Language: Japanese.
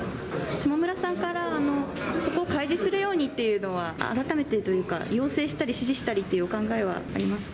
下村さんから、そこを開示するようにっていうのは、改めてというか、要請したり指示したりというお考えはあります？